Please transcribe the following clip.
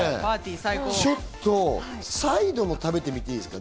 ちょっとサイドも食べていいですか？